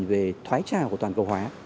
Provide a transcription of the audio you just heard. về thoái trào của toàn cầu hóa